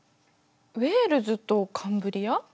ウェールズとカンブリア？